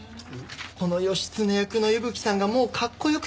この義経役の伊吹さんがもうかっこよくて！